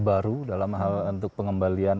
baru dalam hal untuk pengembalian